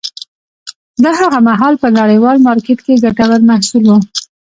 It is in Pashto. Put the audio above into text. دا هغه مهال په نړیوال مارکېت کې ګټور محصول و.